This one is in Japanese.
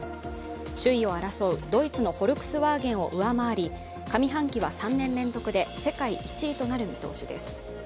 首位を争うドイツのフォルクスワーゲンを上回り上半期は３年連続で世界１位となる見通しです。